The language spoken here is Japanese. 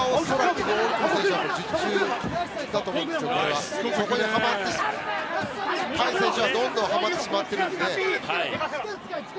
海選手はそこにどんどんはまってしまっているので。